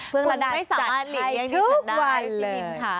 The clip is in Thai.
คุณไม่สามารถจัดใครทุกวันเลย